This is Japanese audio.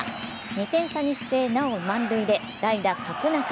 ２点差にしてなお満塁で代打・角中。